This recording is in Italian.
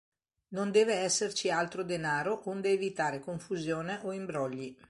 Non deve esserci altro denaro onde evitare confusione o imbrogli.